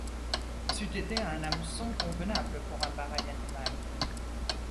C’eût été un hameçon convenable pour un pareil animal.